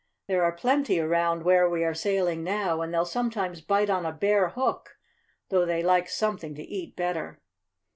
"There are plenty around where we are sailing now, and they'll sometimes bite on a bare hook, though they like something to eat better.